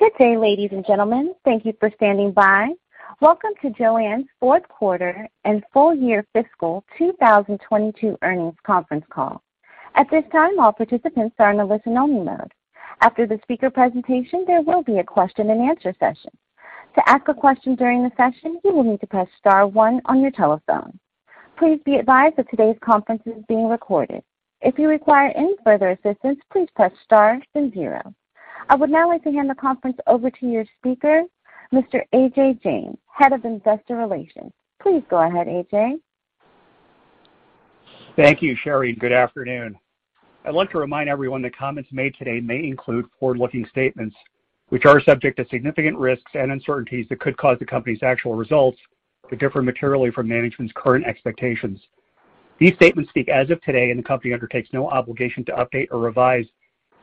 Good day, ladies and gentlemen. Thank you for standing by. Welcome to JOANN's fourth quarter and full year fiscal 2022 earnings conference call. At this time, all participants are in a listen-only mode. After the speaker presentation, there will be a question-and-answer session. To ask a question during the session, you will need to press star one on your telephone. Please be advised that today's conference is being recorded. If you require any further assistance, please press star then zero. I would now like to hand the conference over to your speaker, Mr. Ajay Jain, Head of Investor Relations. Please go ahead, AJ. Thank you, Sherry. Good afternoon. I'd like to remind everyone that comments made today may include forward-looking statements, which are subject to significant risks and uncertainties that could cause the company's actual results to differ materially from management's current expectations. These statements speak as of today, and the company undertakes no obligation to update or revise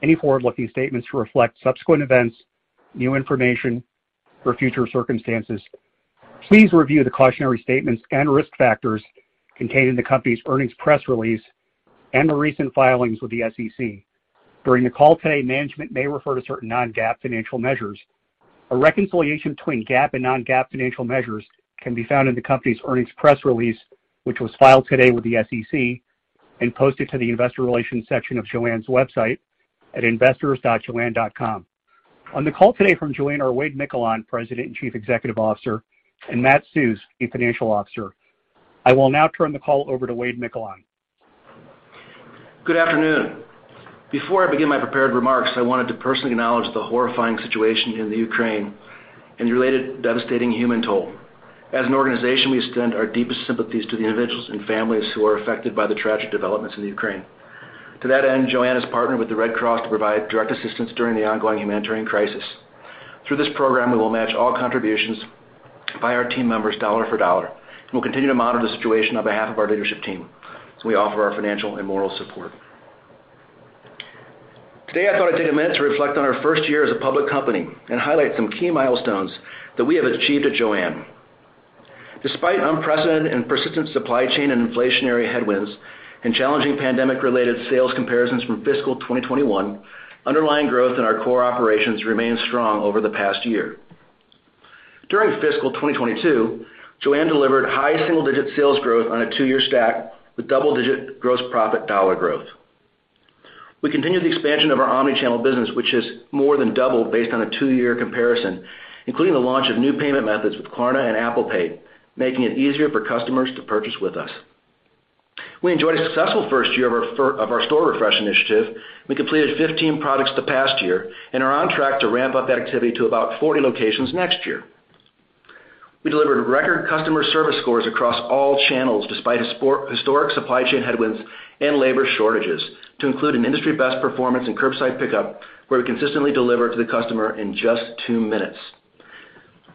any forward-looking statements to reflect subsequent events, new information, or future circumstances. Please review the cautionary statements and risk factors contained in the company's earnings press release and the recent filings with the SEC. During the call today, management may refer to certain non-GAAP financial measures. A reconciliation between GAAP and non-GAAP financial measures can be found in the company's earnings press release, which was filed today with the SEC and posted to the investor relations section of JOANN's website at investors.joann.com. On the call today from JOANN are Wade Miquelon, President and Chief Executive Officer, and Matt Susz, Chief Financial Officer. I will now turn the call over to Wade Miquelon. Good afternoon. Before I begin my prepared remarks, I wanted to personally acknowledge the horrifying situation in the Ukraine and the related devastating human toll. As an organization, we extend our deepest sympathies to the individuals and families who are affected by the tragic developments in the Ukraine. To that end, JOANN has partnered with the Red Cross to provide direct assistance during the ongoing humanitarian crisis. Through this program, we will match all contributions by our team members dollar for dollar. We'll continue to monitor the situation on behalf of our leadership team as we offer our financial and moral support. Today, I thought I'd take a minute to reflect on our first year as a public company and highlight some key milestones that we have achieved at JOANN. Despite unprecedented and persistent supply chain and inflationary headwinds and challenging pandemic-related sales comparisons from fiscal 2021, underlying growth in our core operations remained strong over the past year. During fiscal 2022, JOANN delivered high single-digit sales growth on a two-year stack with double-digit gross profit dollar growth. We continued the expansion of our omnichannel business, which has more than doubled based on a two-year comparison, including the launch of new payment methods with Klarna and Apple Pay, making it easier for customers to purchase with us. We enjoyed a successful first year of our store refresh initiative. We completed 15 projects the past year and are on track to ramp up that activity to about 40 locations next year. We delivered record customer service scores across all channels despite historic supply chain headwinds and labor shortages to include an industry best performance in curbside pickup, where we consistently deliver to the customer in just two minutes.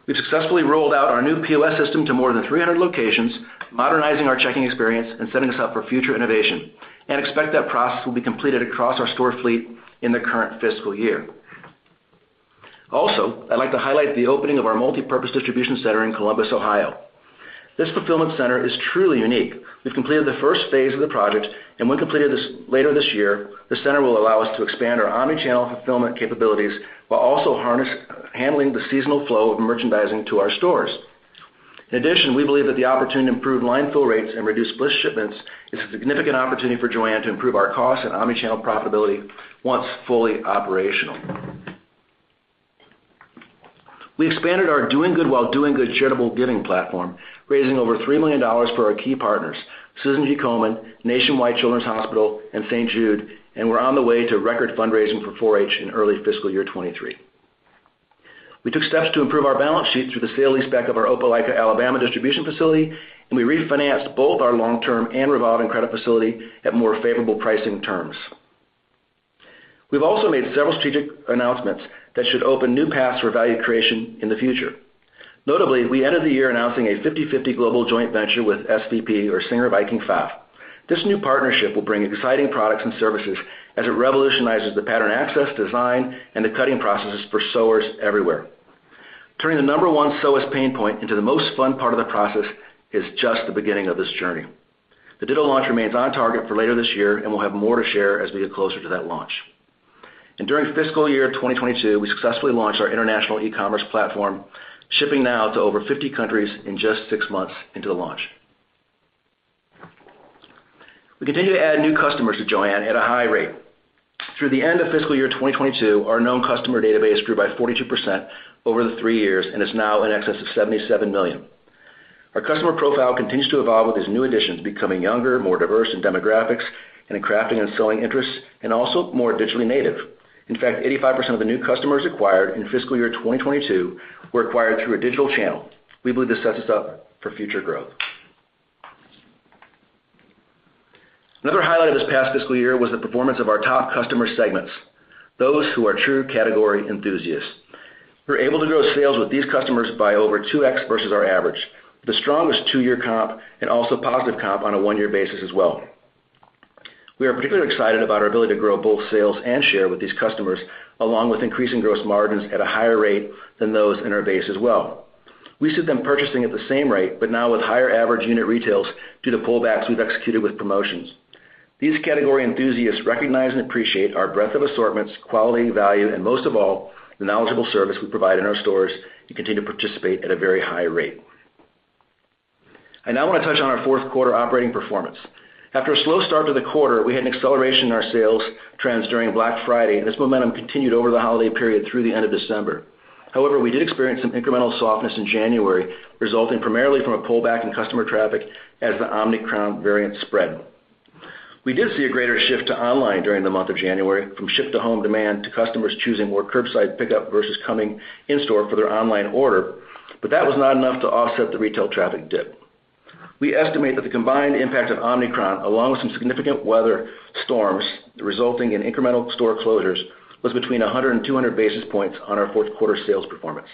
We've successfully rolled out our new POS system to more than 300 locations, modernizing our checking experience and setting us up for future innovation and expect that process will be completed across our store fleet in the current fiscal year. Also, I'd like to highlight the opening of our multipurpose distribution center in Columbus, Ohio. This fulfillment center is truly unique. We've completed the first phase of the project, and when completed later this year, the center will allow us to expand our omnichannel fulfillment capabilities while also handling the seasonal flow of merchandising to our stores. In addition, we believe that the opportunity to improve line fill rates and reduce split shipments is a significant opportunity for JOANN to improve our cost and omnichannel profitability once fully operational. We expanded our Doing Good While Doing Good charitable giving platform, raising over $3 million for our key partners, Susan G. Komen, Nationwide Children's Hospital, and St. Jude, and we're on the way to record fundraising for 4-H in early fiscal year 2023. We took steps to improve our balance sheet through the sale-leaseback of our Opelika, Alabama, distribution facility, and we refinanced both our long-term and revolving credit facility at more favorable pricing terms. We've also made several strategic announcements that should open new paths for value creation in the future. Notably, we ended the year announcing a 50/50 global joint venture with SVP Worldwide or Singer, Husqvarna Viking, and PFAFF. This new partnership will bring exciting products and services as it revolutionizes the pattern access, design, and the cutting processes for sewers everywhere. Turning the number one sewist pain point into the most fun part of the process is just the beginning of this journey. The Ditto launch remains on target for later this year, and we'll have more to share as we get closer to that launch. During fiscal year 2022, we successfully launched our international e-commerce platform, shipping now to over 50 countries in just six months into the launch. We continue to add new customers to JOANN at a high rate. Through the end of fiscal year 2022, our known customer database grew by 42% over the three years and is now in excess of 77 million. Our customer profile continues to evolve with these new additions, becoming younger, more diverse in demographics and in crafting and sewing interests, and also more digitally native. In fact, 85% of the new customers acquired in fiscal year 2022 were acquired through a digital channel. We believe this sets us up for future growth. Another highlight of this past fiscal year was the performance of our top customer segments, those who are true category enthusiasts. We're able to grow sales with these customers by over 2x versus our average. The strongest two-year comp and also positive comp on a one-year basis as well. We are particularly excited about our ability to grow both sales and share with these customers, along with increasing gross margins at a higher rate than those in our base as well. We see them purchasing at the same rate, but now with higher average unit retails due to pullbacks we've executed with promotions. These category enthusiasts recognize and appreciate our breadth of assortments, quality, value, and most of all, the knowledgeable service we provide in our stores to continue to participate at a very high rate. I now wanna touch on our fourth quarter operating performance. After a slow start to the quarter, we had an acceleration in our sales trends during Black Friday, and this momentum continued over the holiday period through the end of December. However, we did experience some incremental softness in January, resulting primarily from a pullback in customer traffic as the Omicron variant spread. We did see a greater shift to online during the month of January from ship-to-home demand to customers choosing more curbside pickup versus coming in-store for their online order, but that was not enough to offset the retail traffic dip. We estimate that the combined impact of Omicron, along with some significant weather storms resulting in incremental store closures, was between 100 and 200 basis points on our fourth quarter sales performance.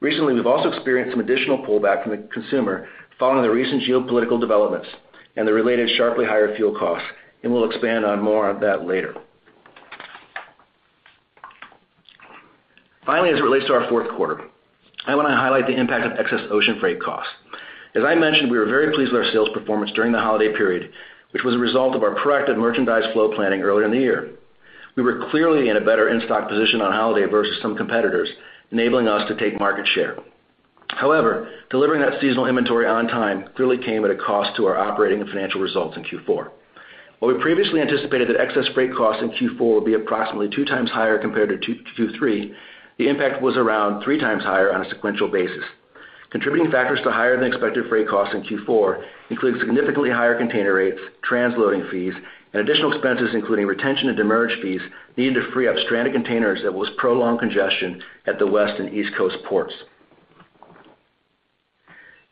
Recently, we've also experienced some additional pullback from the consumer following the recent geopolitical developments and the related sharply higher fuel costs, and we'll expand on more of that later. Finally, as it relates to our fourth quarter, I wanna highlight the impact of excess ocean freight costs. As I mentioned, we were very pleased with our sales performance during the holiday period, which was a result of our proactive merchandise flow planning earlier in the year. We were clearly in a better in-stock position on holiday versus some competitors, enabling us to take market share. However, delivering that seasonal inventory on time clearly came at a cost to our operating and financial results in Q4. While we previously anticipated that excess freight costs in Q4 would be approximately 2x higher compared to Q3, the impact was around 3x higher on a sequential basis. Contributing factors to higher than expected freight costs in Q4 include significantly higher container rates, transloading fees, and additional expenses, including detention and demurrage fees needed to free up stranded containers due to prolonged congestion at the West Coast and East Coast ports.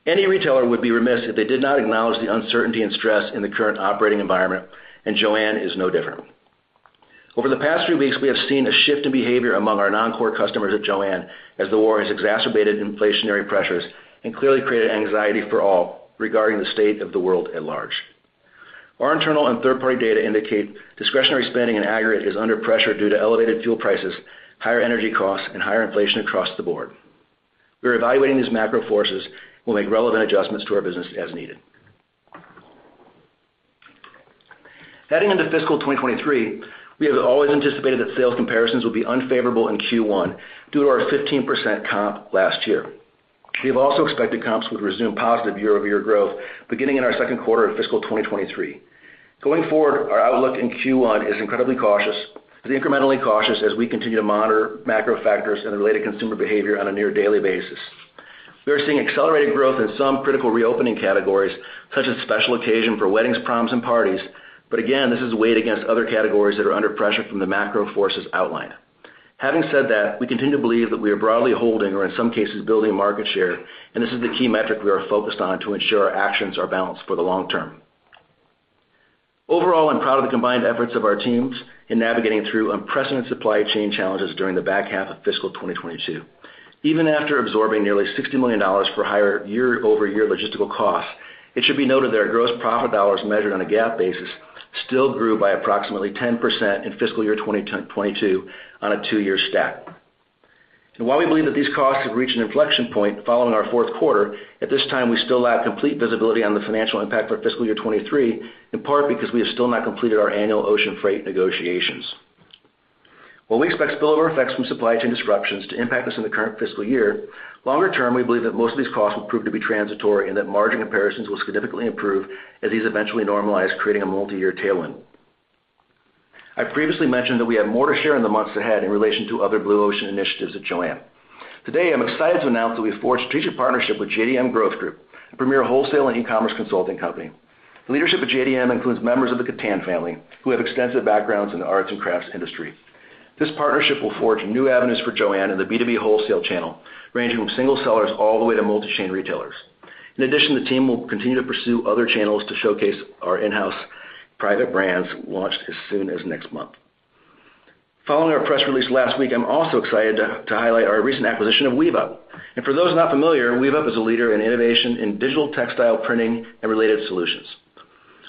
Any retailer would be remiss if they did not acknowledge the uncertainty and stress in the current operating environment, and JOANN is no different. Over the past few weeks, we have seen a shift in behavior among our non-core customers at JOANN as the war has exacerbated inflationary pressures and clearly created anxiety for all regarding the state of the world at large. Our internal and third-party data indicate discretionary spending in aggregate is under pressure due to elevated fuel prices, higher energy costs, and higher inflation across the board. We're evaluating these macro forces. We'll make relevant adjustments to our business as needed. Heading into fiscal 2023, we have always anticipated that sales comparisons would be unfavorable in Q1 due to our 15% comp last year. We have also expected comps would resume positive year-over-year growth beginning in our second quarter of fiscal 2023. Going forward, our outlook in Q1 is incrementally cautious as we continue to monitor macro factors and related consumer behavior on a near daily basis. We are seeing accelerated growth in some critical reopening categories, such as special occasion for weddings, proms, and parties. Again, this is weighed against other categories that are under pressure from the macro forces outlined. Having said that, we continue to believe that we are broadly holding or in some cases building market share, and this is the key metric we are focused on to ensure our actions are balanced for the long term. Overall, I'm proud of the combined efforts of our teams in navigating through unprecedented supply chain challenges during the back half of fiscal 2022. Even after absorbing nearly $60 million for higher year-over-year logistical costs, it should be noted that our gross profit dollars measured on a GAAP basis still grew by approximately 10% in fiscal year 2022 on a two-year stack. While we believe that these costs have reached an inflection point following our fourth quarter, at this time, we still lack complete visibility on the financial impact for fiscal year 2023, in part because we have still not completed our annual ocean freight negotiations. While we expect spillover effects from supply chain disruptions to impact us in the current fiscal year, longer term, we believe that most of these costs will prove to be transitory and that margin comparisons will significantly improve as these eventually normalize, creating a multiyear tailwind. I previously mentioned that we have more to share in the months ahead in relation to other Blue Ocean initiatives at JOANN. Today, I'm excited to announce that we've forged a strategic partnership with JDM Growth Group, a premier wholesale and e-commerce consulting company. The leadership at JDM includes members of the Kattan family, who have extensive backgrounds in the arts and crafts industry. This partnership will forge new avenues for JOANN in the B2B wholesale channel, ranging from single sellers all the way to multi-chain retailers. In addition, the team will continue to pursue other channels to showcase our in-house private brands launched as soon as next month. Following our press release last week, I'm also excited to highlight our recent acquisition of WeaveUp. For those not familiar, WeaveUp is a leader in innovation in digital textile printing and related solutions.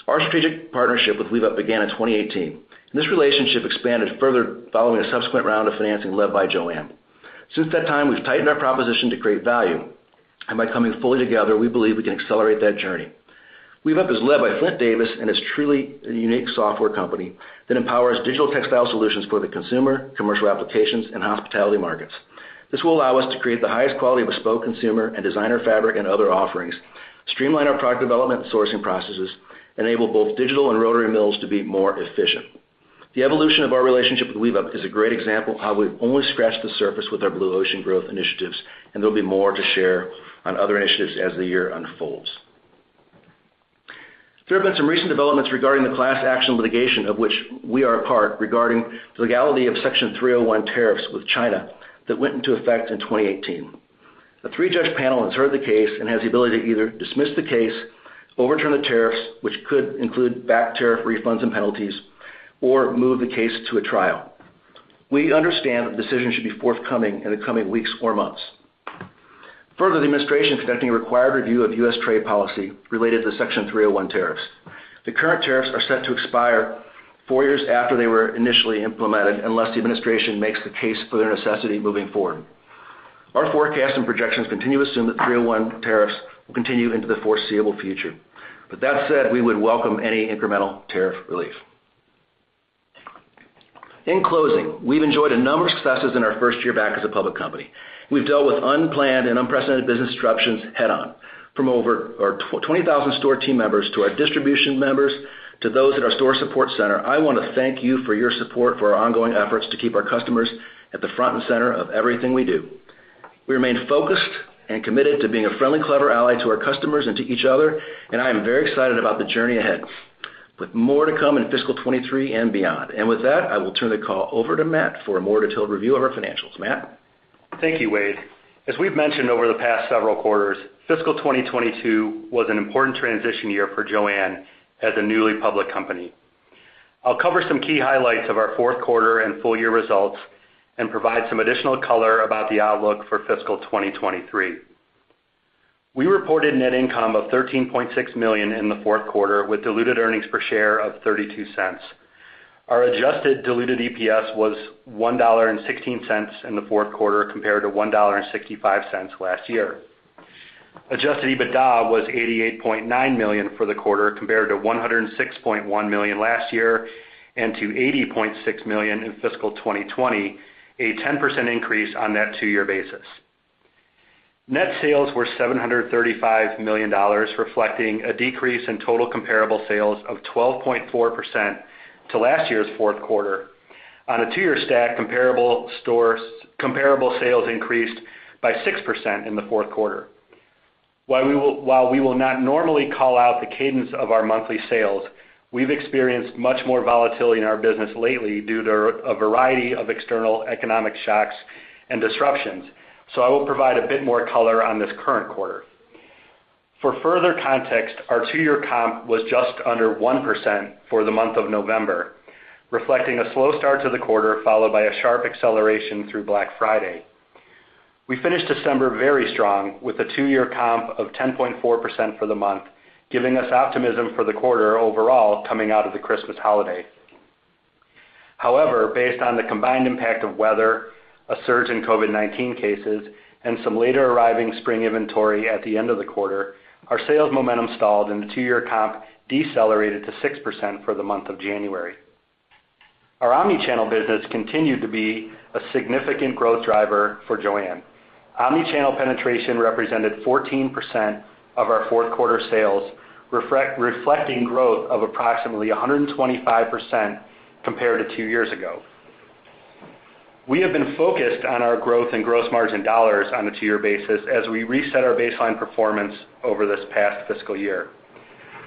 Our strategic partnership with WeaveUp began in 2018, and this relationship expanded further following a subsequent round of financing led by JOANN. Since that time, we've tightened our proposition to create value, and by coming fully together, we believe we can accelerate that journey. WeaveUp is led by Flint Davis and is truly a unique software company that empowers digital textile solutions for the consumer, commercial applications, and hospitality markets. This will allow us to create the highest quality of bespoke consumer and designer fabric and other offerings, streamline our product development and sourcing processes, enable both digital and rotary mills to be more efficient. The evolution of our relationship with WeaveUp is a great example of how we've only scratched the surface with our Blue Ocean growth initiatives, and there'll be more to share on other initiatives as the year unfolds. There have been some recent developments regarding the class action litigation of which we are a part regarding the legality of Section 301 tariffs with China that went into effect in 2018. A three-judge panel has heard the case and has the ability to either dismiss the case, overturn the tariffs, which could include back tariff refunds and penalties, or move the case to a trial. We understand that the decision should be forthcoming in the coming weeks or months. Further, the administration is conducting a required review of U.S. trade policy related to Section 301 tariffs. The current tariffs are set to expire four years after they were initially implemented, unless the administration makes the case for their necessity moving forward. Our forecast and projections continue to assume that 301 tariffs will continue into the foreseeable future. That said, we would welcome any incremental tariff relief. In closing, we've enjoyed a number of successes in our first year back as a public company. We've dealt with unplanned and unprecedented business disruptions head on. From over our 20,000 store team members to our distribution members to those at our store support center, I wanna thank you for your support for our ongoing efforts to keep our customers at the front and center of everything we do. We remain focused and committed to being a friendly, clever ally to our customers and to each other, and I am very excited about the journey ahead, with more to come in fiscal 2023 and beyond. With that, I will turn the call over to Matt for a more detailed review of our financials. Matt? Thank you, Wade. As we've mentioned over the past several quarters, fiscal 2022 was an important transition year for JOANN as a newly public company. I'll cover some key highlights of our fourth quarter and full year results and provide some additional color about the outlook for fiscal 2023. We reported net income of $13.6 million in the fourth quarter with diluted earnings per share of $0.32. Our adjusted diluted EPS was $1.16 in the fourth quarter compared to $1.65 last year. Adjusted EBITDA was $88.9 million for the quarter compared to $106.1 million last year, and to $80.6 million in fiscal 2020, a 10% increase on that two-year basis. Net sales were $735 million, reflecting a decrease in total comparable sales of 12.4% to last year's fourth quarter. On a two-year stack, comparable sales increased by 6% in the fourth quarter. While we will not normally call out the cadence of our monthly sales, we've experienced much more volatility in our business lately due to a variety of external economic shocks and disruptions, so I will provide a bit more color on this current quarter. For further context, our two-year comp was just under 1% for the month of November, reflecting a slow start to the quarter, followed by a sharp acceleration through Black Friday. We finished December very strong with a two-year comp of 10.4% for the month, giving us optimism for the quarter overall coming out of the Christmas holiday. However, based on the combined impact of weather, a surge in COVID-19 cases, and some later arriving spring inventory at the end of the quarter, our sales momentum stalled and the two-year comp decelerated to 6% for the month of January. Our omnichannel business continued to be a significant growth driver for JOANN. Omnichannel penetration represented 14% of our fourth quarter sales, reflecting growth of approximately 125% compared to two years ago. We have been focused on our growth and gross margin dollars on a two-year basis as we reset our baseline performance over this past fiscal year.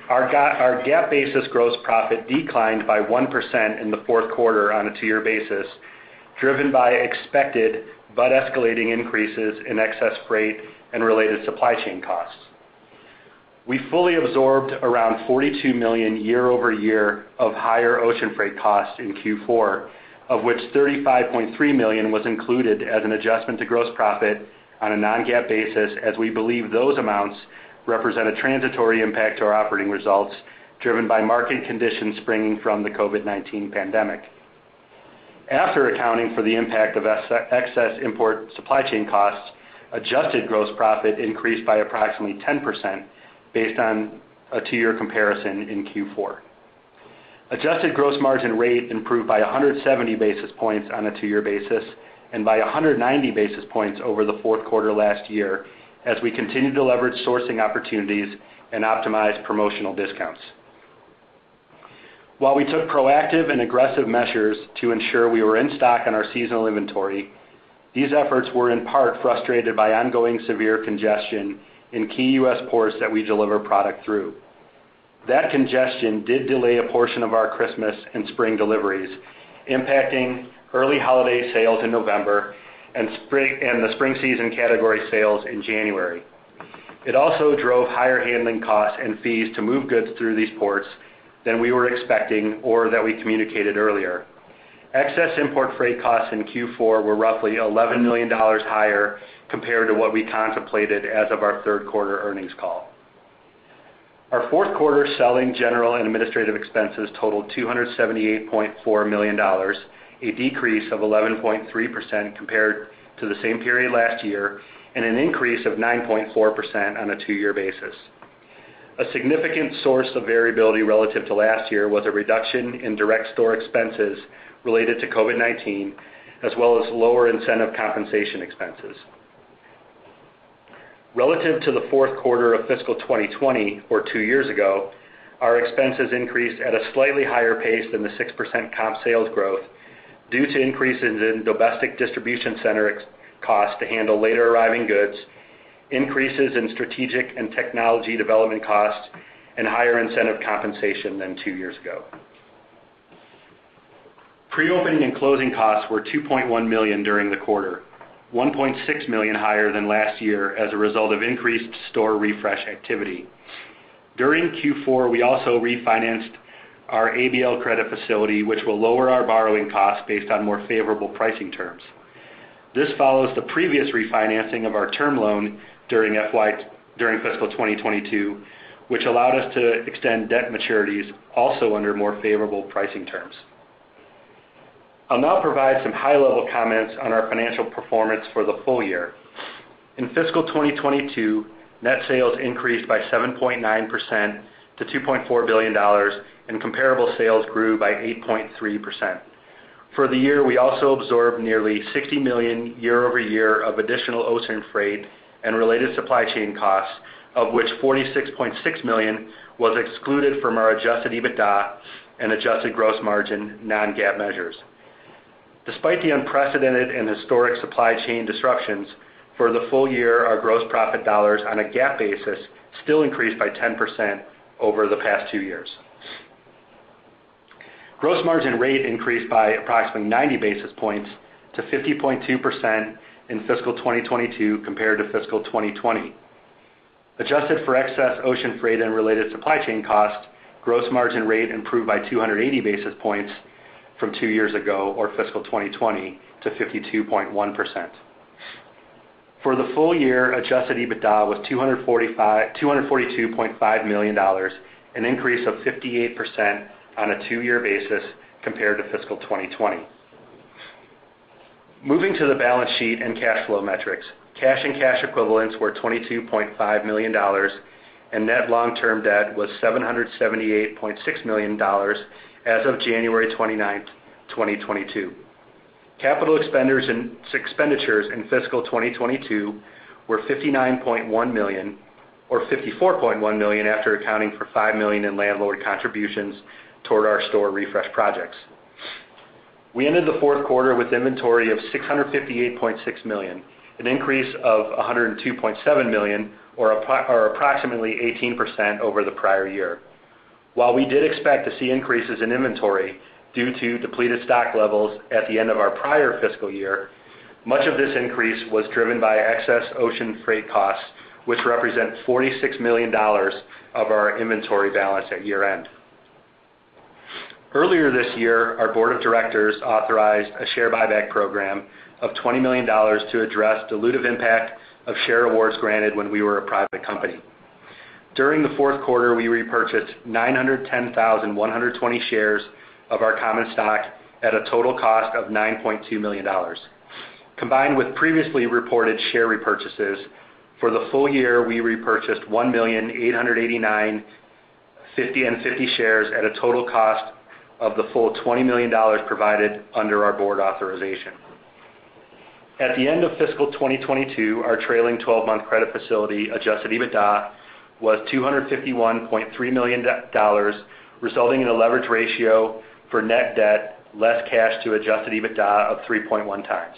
Our GAAP-basis gross profit declined by 1% in the fourth quarter on a two-year basis, driven by expected but escalating increases in excess freight and related supply chain costs. We fully absorbed around $42 million year-over-year of higher ocean freight costs in Q4, of which $35.3 million was included as an adjustment to gross profit on a non-GAAP basis, as we believe those amounts represent a transitory impact to our operating results, driven by market conditions springing from the COVID-19 pandemic. After accounting for the impact of excess import supply chain costs, adjusted gross profit increased by approximately 10% based on a two-year comparison in Q4. Adjusted gross margin rate improved by 170 basis points on a two-year basis and by 190 basis points over the fourth quarter last year as we continued to leverage sourcing opportunities and optimize promotional discounts. While we took proactive and aggressive measures to ensure we were in stock on our seasonal inventory, these efforts were in part frustrated by ongoing severe congestion in key U.S. ports that we deliver product through. That congestion did delay a portion of our Christmas and spring deliveries, impacting early holiday sales in November and the spring season category sales in January. It also drove higher handling costs and fees to move goods through these ports than we were expecting or that we communicated earlier. Excess import freight costs in Q4 were roughly $11 million higher compared to what we contemplated as of our third quarter earnings call. Our fourth quarter selling, general, and administrative expenses totaled $278.4 million, a decrease of 11.3% compared to the same period last year, and an increase of 9.4% on a two-year basis. A significant source of variability relative to last year was a reduction in direct store expenses related to COVID-19, as well as lower incentive compensation expenses. Relative to the fourth quarter of fiscal 2020 or two years ago, our expenses increased at a slightly higher pace than the 6% comp sales growth due to increases in domestic distribution center costs to handle later arriving goods, increases in strategic and technology development costs, and higher incentive compensation than two years ago. Pre-opening and closing costs were $2.1 million during the quarter, $1.6 million higher than last year as a result of increased store refresh activity. During Q4, we also refinanced our ABL credit facility, which will lower our borrowing costs based on more favorable pricing terms. This follows the previous refinancing of our term loan during fiscal 2022, which allowed us to extend debt maturities also under more favorable pricing terms. I'll now provide some high-level comments on our financial performance for the full year. In fiscal 2022, net sales increased by 7.9% to $2.4 billion, and comparable sales grew by 8.3%. For the year, we also absorbed nearly $60 million year-over-year of additional ocean freight and related supply chain costs, of which $46.6 million was excluded from our adjusted EBITDA and adjusted gross margin non-GAAP measures. Despite the unprecedented and historic supply chain disruptions for the full year, our gross profit dollars on a GAAP basis still increased by 10% over the past two years. Gross margin rate increased by approximately 90 basis points to 50.2% in fiscal 2022 compared to fiscal 2020. Adjusted for excess ocean freight and related supply chain costs, gross margin rate improved by 280 basis points from two years ago or fiscal 2020 to 52.1%. For the full year, adjusted EBITDA was $242.5 million, an increase of 58% on a two-year basis compared to fiscal 2020. Moving to the balance sheet and cash flow metrics. Cash and cash equivalents were $22.5 million, and net long-term debt was $778.6 million as of January 29th, 2022. Capital expenditures in fiscal 2022 were $59.1 million or $54.1 million after accounting for $5 million in landlord contributions toward our store refresh projects. We ended the fourth quarter with inventory of $658.6 million, an increase of $102.7 million or approximately 18% over the prior year. While we did expect to see increases in inventory due to depleted stock levels at the end of our prior fiscal year, much of this increase was driven by excess ocean freight costs, which represent $46 million of our inventory balance at year-end. Earlier this year, our board of directors authorized a share buyback program of $20 million to address dilutive impact of share awards granted when we were a private company. During the fourth quarter, we repurchased 910,120 shares of our common stock at a total cost of $9.2 million. Combined with previously reported share repurchases, for the full year, we repurchased 1,889,550 shares at a total cost of the full $20 million provided under our board authorization. At the end of fiscal 2022, our trailing 12-month credit facility adjusted EBITDA was $251.3 million, resulting in a leverage ratio for net debt, less cash to adjusted EBITDA of 3.1x.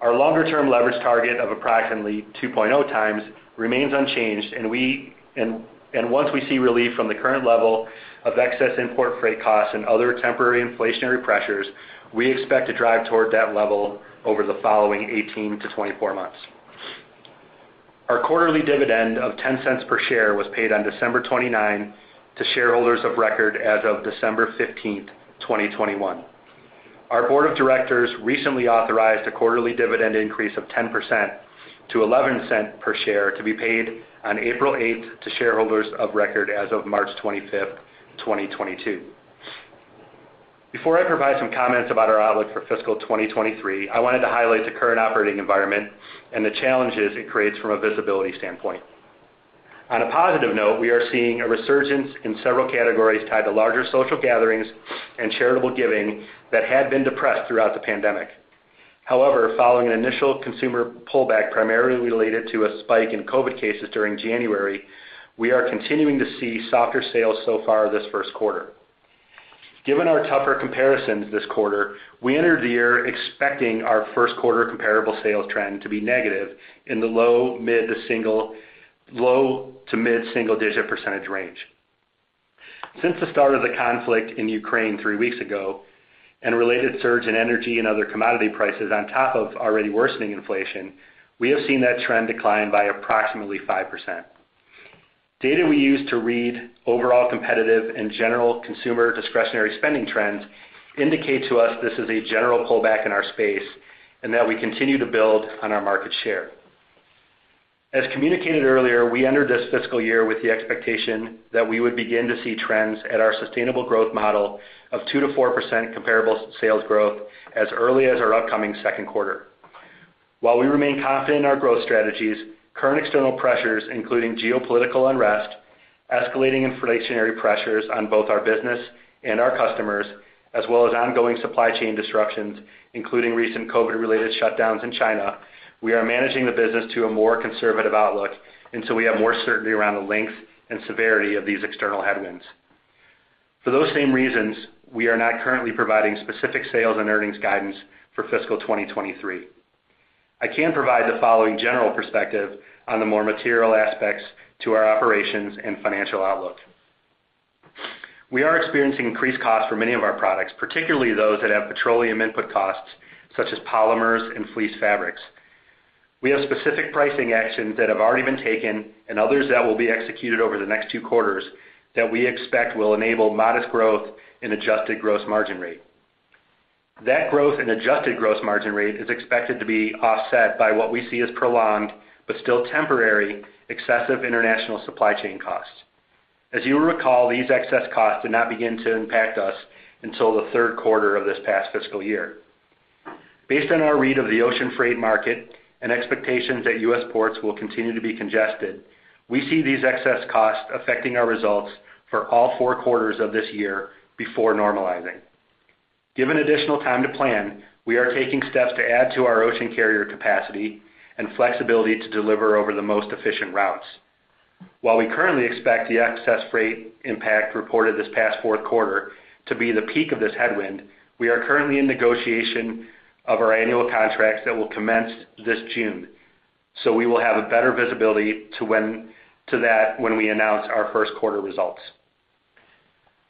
Our longer-term leverage target of approximately 2.0x remains unchanged, and once we see relief from the current level of excess import freight costs and other temporary inflationary pressures, we expect to drive toward that level over the following 18-24 months. Our quarterly dividend of $0.10 per share was paid on December 29 to shareholders of record as of December 15th, 2021. Our board of directors recently authorized a quarterly dividend increase of 10% to $0.11 per share to be paid on April 8 to shareholders of record as of March 25th, 2022. Before I provide some comments about our outlook for fiscal 2023, I wanted to highlight the current operating environment and the challenges it creates from a visibility standpoint. On a positive note, we are seeing a resurgence in several categories tied to larger social gatherings and charitable giving that had been depressed throughout the pandemic. However, following an initial consumer pullback, primarily related to a spike in COVID cases during January, we are continuing to see softer sales so far this first quarter. Given our tougher comparisons this quarter, we enter the year expecting our first quarter comparable sales trend to be negative in the low- to mid-single-digit percentage range. Since the start of the conflict in Ukraine three weeks ago and related surge in energy and other commodity prices on top of already worsening inflation, we have seen that trend decline by approximately 5%. Data we use to read overall competitive and general consumer discretionary spending trends indicate to us this is a general pullback in our space and that we continue to build on our market share. As communicated earlier, we entered this fiscal year with the expectation that we would begin to see trends at our sustainable growth model of 2%-4% comparable sales growth as early as our upcoming second quarter. While we remain confident in our growth strategies, current external pressures, including geopolitical unrest, escalating inflationary pressures on both our business and our customers, as well as ongoing supply chain disruptions, including recent COVID-related shutdowns in China, we are managing the business to a more conservative outlook until we have more certainty around the length and severity of these external headwinds. For those same reasons, we are not currently providing specific sales and earnings guidance for fiscal 2023. I can provide the following general perspective on the more material aspects to our operations and financial outlook. We are experiencing increased costs for many of our products, particularly those that have petroleum input costs, such as polymers and fleece fabrics. We have specific pricing actions that have already been taken and others that will be executed over the next two quarters that we expect will enable modest growth in adjusted gross margin rate. That growth in adjusted gross margin rate is expected to be offset by what we see as prolonged but still temporary excessive international supply chain costs. As you will recall, these excess costs did not begin to impact us until the third quarter of this past fiscal year. Based on our read of the ocean freight market and expectations that U.S. ports will continue to be congested, we see these excess costs affecting our results for all four quarters of this year before normalizing. Given additional time to plan, we are taking steps to add to our ocean carrier capacity and flexibility to deliver over the most efficient routes. While we currently expect the excess freight impact reported this past fourth quarter to be the peak of this headwind, we are currently in negotiation of our annual contracts that will commence this June, so we will have a better visibility to that when we announce our first quarter results.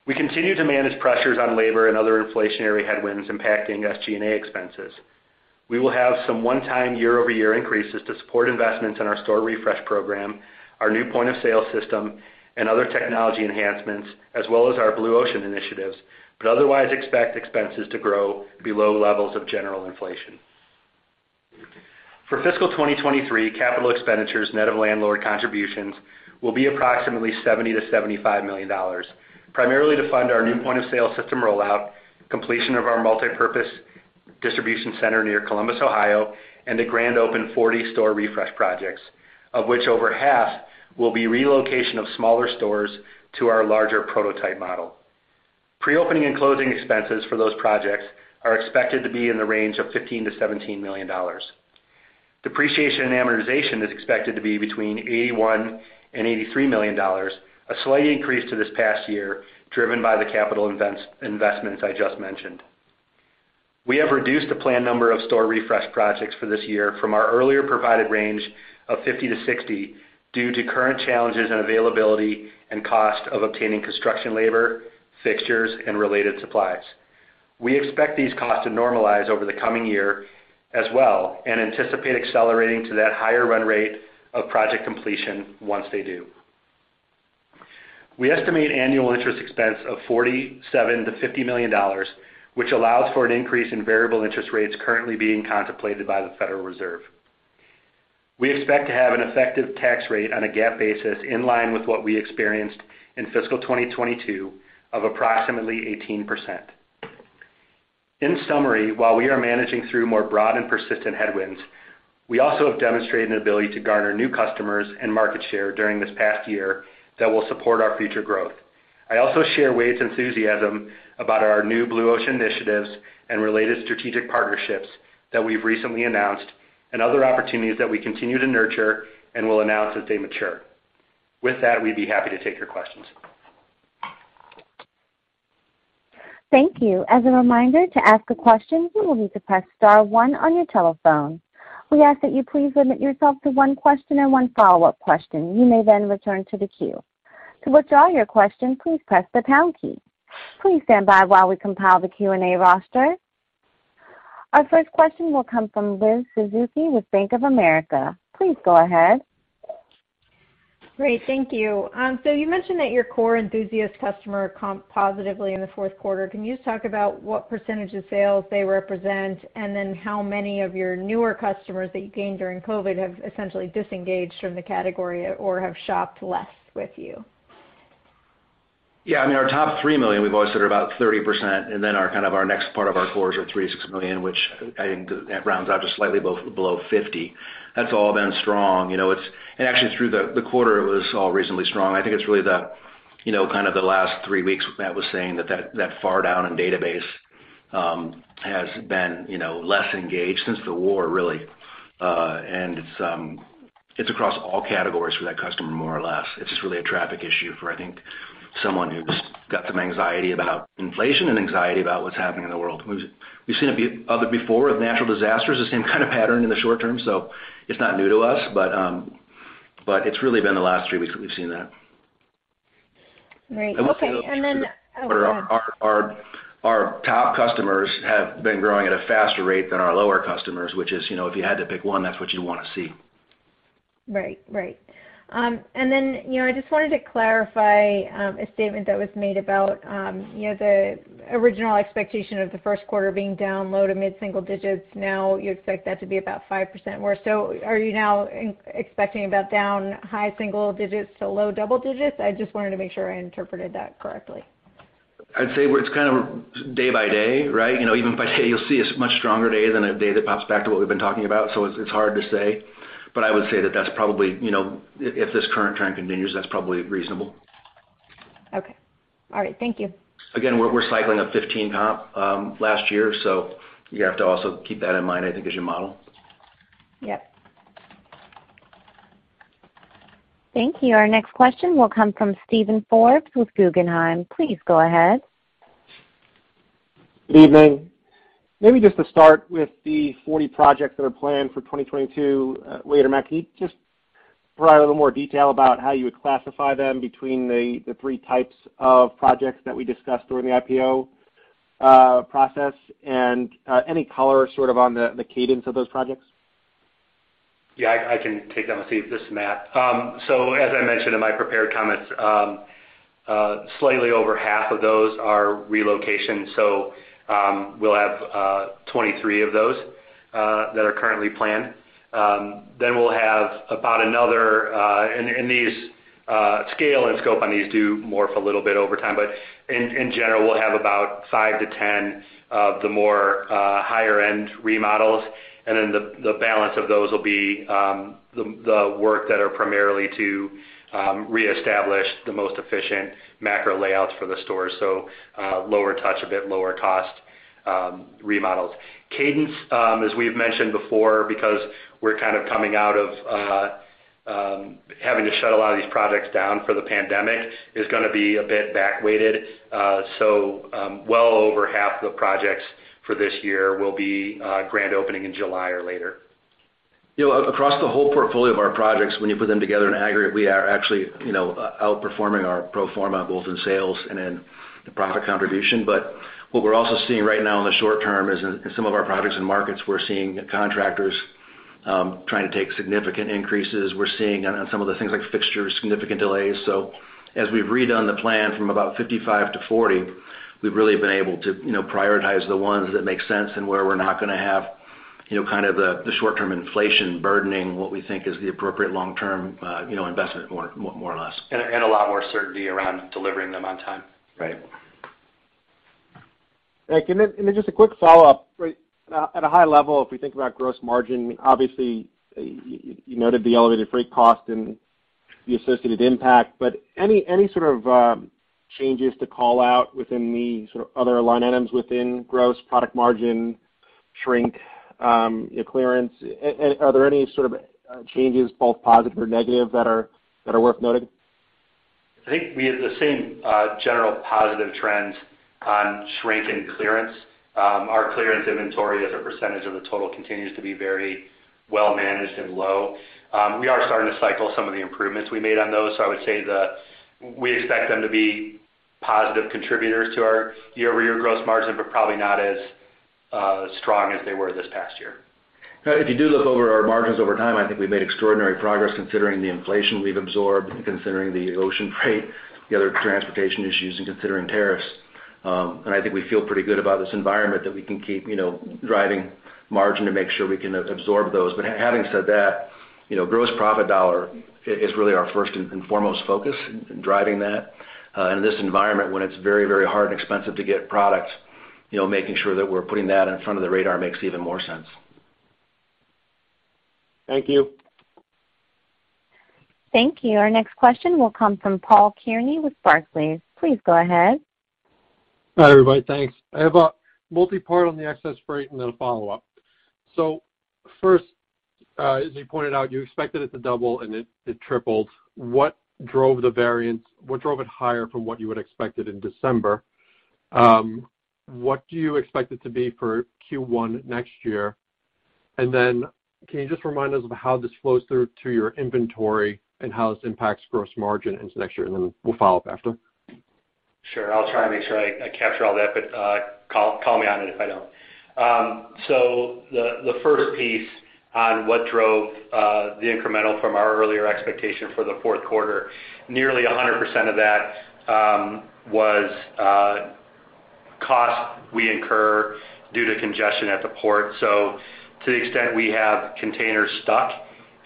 We continue to manage pressures on labor and other inflationary headwinds impacting SG&A expenses. We will have some one-time year-over-year increases to support investments in our store refresh program, our new point-of-sale system and other technology enhancements, as well as our Blue Ocean initiatives, but otherwise expect expenses to grow below levels of general inflation. For fiscal 2023, capital expenditures net of landlord contributions will be approximately $70 million-$75 million, primarily to fund our new point-of-sale system rollout, completion of our multipurpose distribution center near Columbus, Ohio, and the grand opening 40 store refresh projects, of which over half will be relocation of smaller stores to our larger prototype model. Pre-opening and closing expenses for those projects are expected to be in the range of $15 million-$17 million. Depreciation and amortization is expected to be between $81 million and $83 million, a slight increase to this past year, driven by the capital investments I just mentioned. We have reduced the planned number of store refresh projects for this year from our earlier provided range of 50-60 due to current challenges in availability and cost of obtaining construction labor, fixtures, and related supplies. We expect these costs to normalize over the coming year as well, and anticipate accelerating to that higher run rate of project completion once they do. We estimate annual interest expense of $47 million-$50 million, which allows for an increase in variable interest rates currently being contemplated by the Federal Reserve. We expect to have an effective tax rate on a GAAP basis in line with what we experienced in fiscal 2022 of approximately 18%. In summary, while we are managing through more broad and persistent headwinds, we also have demonstrated an ability to garner new customers and market share during this past year that will support our future growth. I also share Wade's enthusiasm about our new Blue Ocean initiatives and related strategic partnerships that we've recently announced and other opportunities that we continue to nurture and will announce as they mature. With that, we'd be happy to take your questions. Thank you. As a reminder to ask a question, you will need to press star one on your telephone. We ask that you please limit yourself to one question and one follow-up question. You may then return to the queue. To withdraw your question, please press the pound key. Please stand by while we compile the Q&A roster. Our first question will come from Liz Suzuki with Bank of America. Please go ahead. Great, thank you. You mentioned that your core enthusiast customer comped positively in the fourth quarter. Can you just talk about what percentage of sales they represent, and then how many of your newer customers that you gained during COVID have essentially disengaged from the category or have shopped less with you? Yeah. I mean, our top $3 million, we've always said are about 30%, and then our kind of next part of our cores are $3million-$6 million, which I think rounds out to slightly below 50%. That's all been strong. You know, actually through the quarter, it was all reasonably strong. I think it's really the, you know, kind of the last three weeks Matt was saying that far down in the base has been, you know, less engaged since the war really. It's across all categories for that customer, more or less. It's just really a traffic issue for, I think, someone who's got some anxiety about inflation and anxiety about what's happening in the world. We've seen it before with natural disasters, the same kind of pattern in the short term, so it's not new to us. It's really been the last three weeks that we've seen that. Right. Okay. Then- We'll see our Oh, go ahead. Our top customers have been growing at a faster rate than our lower customers, which is, you know, if you had to pick one, that's what you'd wanna see. Right. Then, you know, I just wanted to clarify a statement that was made about, you know, the original expectation of the first quarter being down low- to mid-single-digit. Now you expect that to be about 5% more. Are you now expecting about down high-single-digit to low-double-digit? I just wanted to make sure I interpreted that correctly. I'd say it's kind of day by day, right? You know, even by day you'll see a much stronger day than a day that pops back to what we've been talking about, so it's hard to say. I would say that that's probably, you know, if this current trend continues, that's probably reasonable. Okay. All right. Thank you. Again, we're cycling a 15 comp last year, so you have to also keep that in mind, I think, as your model. Yep. Thank you. Our next question will come from Steven Forbes with Guggenheim. Please go ahead. Good evening. Maybe just to start with the 40 projects that are planned for 2022. Wade or Matt, can you just provide a little more detail about how you would classify them between the three types of projects that we discussed during the IPO process and any color sort of on the cadence of those projects? Yeah, I can take that one, Steve. This is Matt. As I mentioned in my prepared comments, slightly over 1/2 of those are relocations, so we'll have 23 of those that are currently planned. We'll have about another, and these scale and scope on these do morph a little bit over time. In general, we'll have about 5-10 of the more higher-end remodels, and then the balance of those will be the work that are primarily to reestablish the most efficient macro layouts for the store. Lower touch, a bit lower cost remodels. Cadence, as we've mentioned before, because we're kind of coming out of having to shut a lot of these projects down for the pandemic, is gonna be a bit back weighted. Well over half the projects for this year will be grand opening in July or later. You know, across the whole portfolio of our projects, when you put them together in aggregate, we are actually, you know, outperforming our pro forma goals in sales and in the profit contribution. What we're also seeing right now in the short term is, in some of our projects and markets, we're seeing contractors trying to take significant increases. We're seeing on some of the things like fixtures, significant delays. As we've redone the plan from about 55-40, we've really been able to, you know, prioritize the ones that make sense and where we're not gonna have, you know, kind of the short-term inflation burdening what we think is the appropriate long-term, you know, investment more or less. a lot more certainty around delivering them on time. Right. Thank you, then just a quick follow-up. Right. At a high level, if we think about gross margin, obviously, you noted the elevated freight cost and the associated impact. Any sort of changes to call out within the sort of other line items within gross product margin, shrink, you know, clearance? Are there any sort of changes, both positive or negative, that are worth noting? I think we have the same general positive trends on shrink and clearance. Our clearance inventory as a percentage of the total continues to be very well managed and low. We are starting to cycle some of the improvements we made on those, so I would say we expect them to be positive contributors to our year-over-year gross margin, but probably not as strong as they were this past year. Now, if you do look over our margins over time, I think we've made extraordinary progress considering the inflation we've absorbed, considering the ocean freight, the other transportation issues, and considering tariffs. I think we feel pretty good about this environment that we can keep, you know, driving margin to make sure we can absorb those. But having said that, you know, gross profit dollar is really our first and foremost focus in driving that. In this environment when it's very, very hard and expensive to get product, you know, making sure that we're putting that in front of the radar makes even more sense. Thank you. Thank you. Our next question will come from Paul Kearney with Barclays. Please go ahead. Hi, everybody. Thanks. I have a multipart on the excess freight and then a follow-up. First, as you pointed out, you expected it to double and it tripled. What drove the variance? What drove it higher from what you would expected in December? What do you expect it to be for Q1 next year? Can you just remind us of how this flows through to your inventory and how this impacts gross margin into next year, and then we'll follow up after. Sure. I'll try and make sure I capture all that, but call me on it if I don't. The first piece on what drove the incremental from our earlier expectation for the fourth quarter, nearly 100% of that was costs we incur due to congestion at the port. To the extent we have containers stuck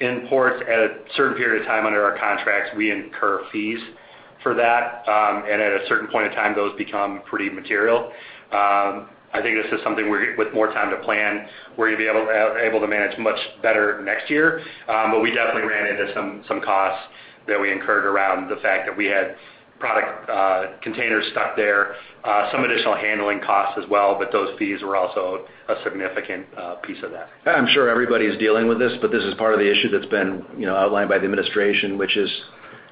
in ports at a certain period of time under our contracts, we incur fees for that. At a certain point of time, those become pretty material. I think this is something with more time to plan, we're gonna be able to manage much better next year. But we definitely ran into some costs that we incurred around the fact that we had product containers stuck there. Some additional handling costs as well, but those fees were also a significant piece of that. I'm sure everybody is dealing with this, but this is part of the issue that's been, you know, outlined by the administration, which is,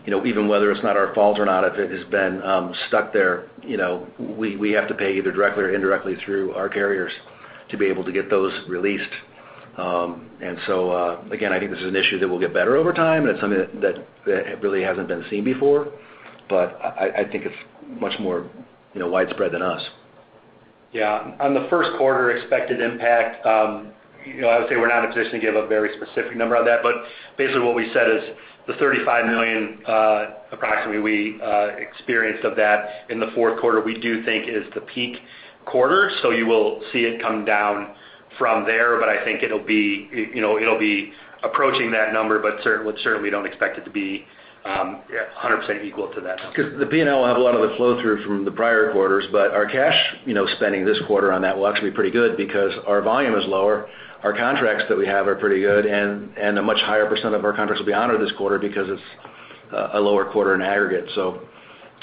you know, even whether it's not our fault or not, if it has been stuck there, you know, we have to pay either directly or indirectly through our carriers to be able to get those released. I think this is an issue that will get better over time, and it's something that really hasn't been seen before. I think it's much more, you know, widespread than us. On the first quarter expected impact, you know, I would say we're not in a position to give a very specific number on that. Basically what we said is the $35 million approximately we experienced of that in the fourth quarter, we do think is the peak quarter. You will see it come down from there. I think it'll be, you know, it'll be approaching that number, but we certainly don't expect it to be 100% equal to that number. Cause the P&L will have a lot of the flow-through from the prior quarters, but our cash, you know, spending this quarter on that will actually be pretty good because our volume is lower, our contracts that we have are pretty good, and a much higher percent of our contracts will be honored this quarter because it's a lower quarter in aggregate. So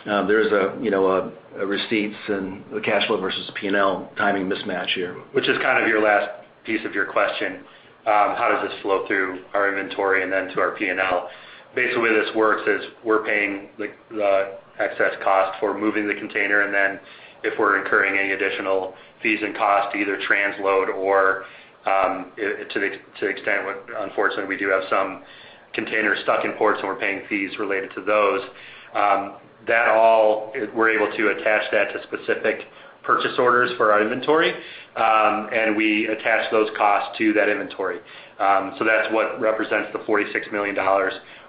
there is a, you know, a receipts and the cash flow versus P&L timing mismatch here. Which is kind of your last piece of your question, how does this flow through our inventory and then to our P&L? Basically, the way this works is we're paying like the excess cost for moving the container and then if we're incurring any additional fees and costs to either transload or, unfortunately, we do have some containers stuck in ports and we're paying fees related to those. That all, we're able to attach that to specific purchase orders for our inventory, and we attach those costs to that inventory. That's what represents the $46 million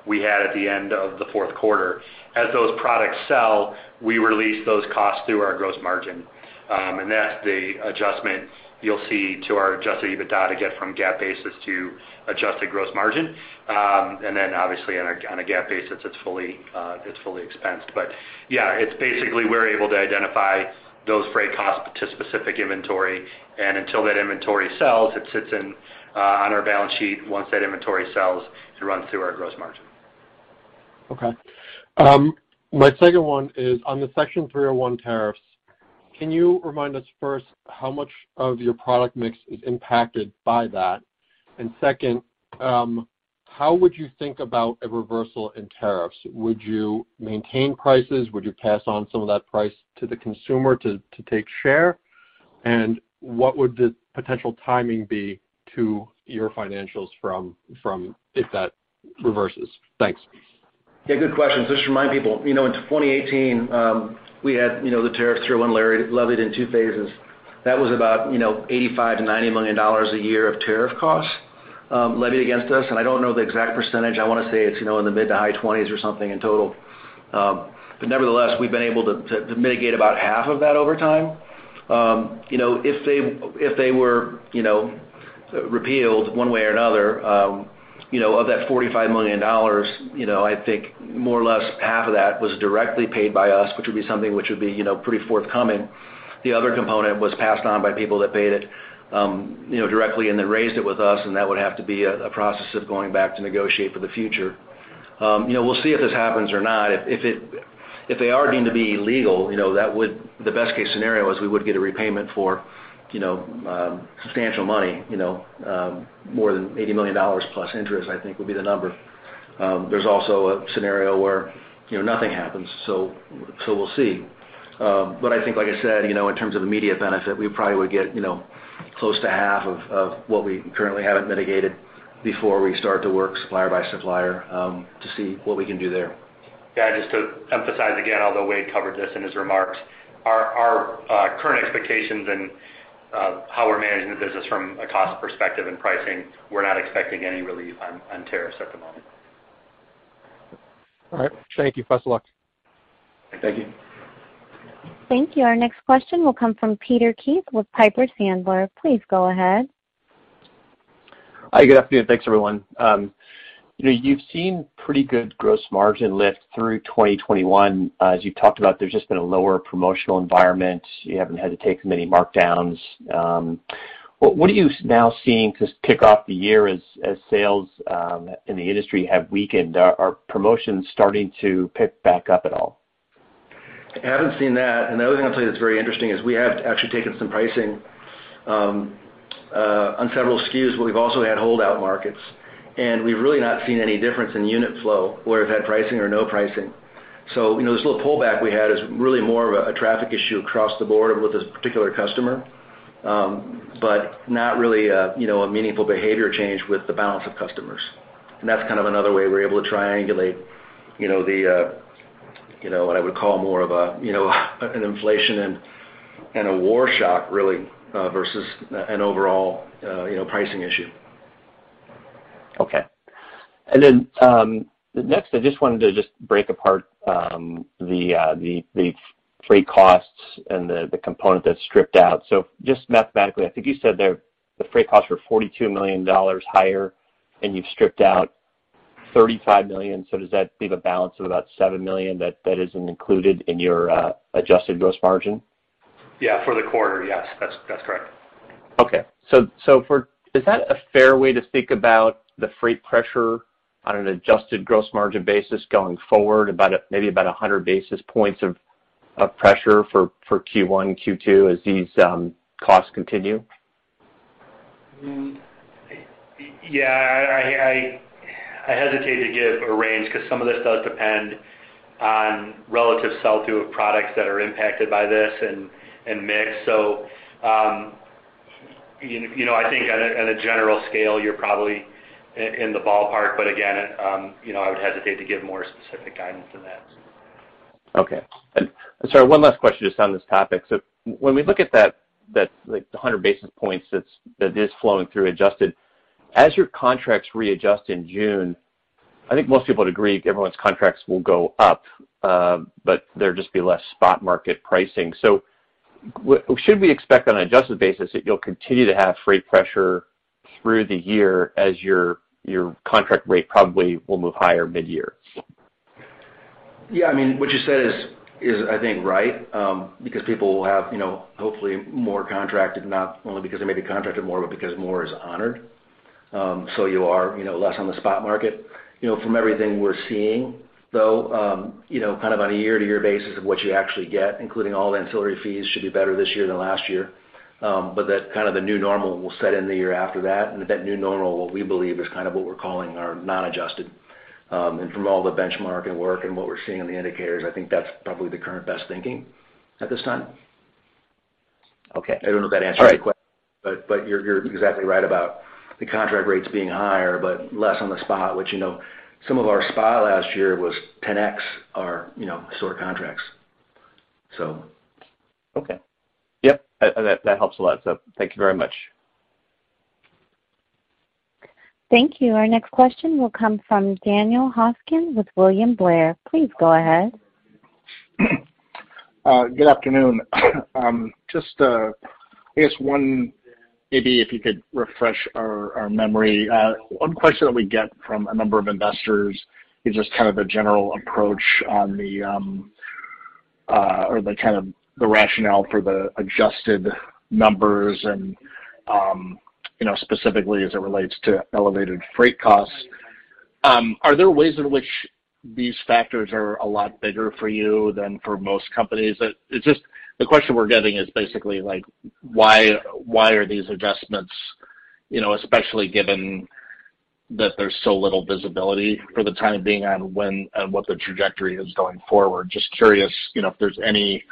we had at the end of the fourth quarter. As those products sell, we release those costs through our gross margin. That's the adjustment you'll see to our adjusted EBITDA to get from GAAP basis to adjusted gross margin. Obviously on a GAAP basis, it's fully expensed. Yeah, it's basically we're able to identify those freight costs to specific inventory, and until that inventory sells, it sits on our balance sheet. Once that inventory sells, it runs through our gross margin. Okay. My second one is on the Section 301 tariffs. Can you remind us first how much of your product mix is impacted by that? And second, how would you think about a reversal in tariffs? Would you maintain prices? Would you pass on some of that price to the consumer to take share? And what would the potential timing be to your financials from if that reverses? Thanks. Yeah, good questions. Just to remind people, you know, in 2018, we had, you know, the Section 301 tariffs levied in two phases. That was about, you know, $85 million-$90 million a year of tariff costs levied against us. I don't know the exact percentage. I wanna say it's, you know, in the mid- to high 20s% or something in total. Nevertheless, we've been able to mitigate about half of that over time. You know, if they were repealed one way or another, you know, of that $45 million, you know, I think more or less half of that was directly paid by us, which would be something, you know, pretty forthcoming. The other component was passed on by people that paid it, you know, directly and then raised it with us, and that would have to be a process of going back to negotiate for the future. You know, we'll see if this happens or not. If they are deemed to be illegal, you know, that would be the best case scenario. We would get a repayment for, you know, substantial money, you know. More than $80 million plus interest, I think, would be the number. There's also a scenario where, you know, nothing happens, so we'll see. I think, like I said, you know, in terms of the immediate benefit, we probably would get, you know, close to 1/2 of what we currently haven't mitigated before we start to work supplier by supplier, to see what we can do there. Yeah, just to emphasize again, although Wade covered this in his remarks, our current expectations and how we're managing the business from a cost perspective and pricing, we're not expecting any relief on tariffs at the moment. All right. Thank you. Best of luck. Thank you. Thank you. Our next question will come from Peter Keith with Piper Sandler. Please go ahead. Hi, good afternoon. Thanks, everyone. You know, you've seen pretty good gross margin lift through 2021. As you've talked about, there's just been a lower promotional environment. You haven't had to take many markdowns. What are you now seeing to kick off the year as sales in the industry have weakened? Are promotions starting to pick back up at all? I haven't seen that. The other thing I'll tell you that's very interesting is we have actually taken some pricing on several SKUs, but we've also had holdout markets. We've really not seen any difference in unit flow where we've had pricing or no pricing. You know, this little pullback we had is really more of a traffic issue across the board with this particular customer, but not really a meaningful behavior change with the balance of customers. That's kind of another way we're able to triangulate, you know, what I would call more of a you know, an inflation and a war shock really versus an overall you know, pricing issue. Okay. Next I just wanted to just break apart the freight costs and the component that's stripped out. Just mathematically, I think you said there the freight costs were $42 million higher and you've stripped out $35 million. Does that leave a balance of about $7 million that isn't included in your adjusted gross margin? Yeah, for the quarter, yes. That's correct. Okay. Is that a fair way to think about the freight pressure on an adjusted gross margin basis going forward, maybe about 100 basis points of pressure for Q1, Q2 as these costs continue? Yeah. I hesitate to give a range 'cause some of this does depend on relative sell-through of products that are impacted by this and mix. You know, I think at a general scale you're probably in the ballpark. Again, you know, I would hesitate to give more specific guidance than that. Okay. Sorry, one last question just on this topic. When we look at that, like, the 100 basis points that is flowing through adjusted, as your contracts readjust in June, I think most people would agree everyone's contracts will go up, but there'd just be less spot market pricing. What should we expect on an adjusted basis that you'll continue to have freight pressure through the year as your contract rate probably will move higher midyear? Yeah, I mean, what you said is I think right, because people will have, you know, hopefully more contracted, not only because they may be contracted more, but because more is honored. You are, you know, less on the spot market. You know, from everything we're seeing though, kind of on a year-to-year basis of what you actually get, including all the ancillary fees, should be better this year than last year. That kind of the new normal will set in the year after that. That new normal, what we believe is kind of what we're calling our non-adjusted. From all the benchmarking work and what we're seeing in the indicators, I think that's probably the current best thinking at this time. Okay. I don't know if that answers your que- All right. You're exactly right about the contract rates being higher, but less on the spot, which, you know, some of our spot last year was 10x our, you know, sort of contracts, so. Okay. Yep. That helps a lot. Thank you very much. Thank you. Our next question will come from Daniel Hofkin with William Blair. Please go ahead. Good afternoon. Just, I guess one, maybe if you could refresh our memory. One question that we get from a number of investors is just kind of the general approach on the, or the kind of the rationale for the adjusted numbers and, you know, specifically as it relates to elevated freight costs. Are there ways in which these factors are a lot bigger for you than for most companies? It's just the question we're getting is basically like, why are these adjustments, you know, especially given that there's so little visibility for the time being on when and what the trajectory is going forward? Just curious, you know, if there's any.